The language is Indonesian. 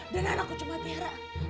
dan anak aku cuma tihra